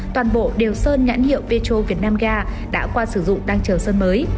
toàn bộ đều sơn nhãn hiệu petro vietnam ga đã qua sử dụng đang chờ sơn mới